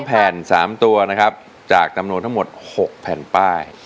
แผ่น๓ตัวนะครับจากจำนวนทั้งหมด๖แผ่นป้าย